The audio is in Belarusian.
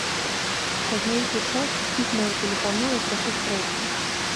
Праз нейкі час ізноў тэлефануе пра сустрэчу.